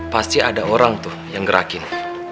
pasti ada orang tuh yang gerakin